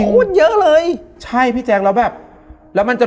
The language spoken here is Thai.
ใครตามมา